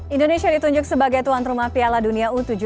indonesia ditunjuk sebagai tuan rumah piala dunia u tujuh belas